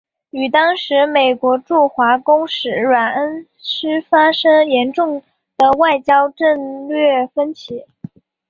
与当时美国驻华公使芮恩施发生严重的外交策略分歧。